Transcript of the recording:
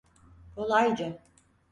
Kolayca.